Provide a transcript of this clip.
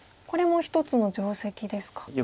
これも一つの定石ですか。